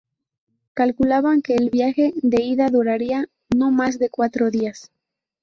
Calculaban que el viaje de ida duraría no más de cuatro días.